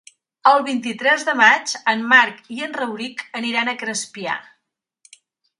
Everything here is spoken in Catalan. El vint-i-tres de maig en Marc i en Rauric aniran a Crespià.